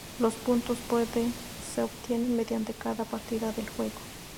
Los puntos pueden se obtienen mediante cada partida del juego.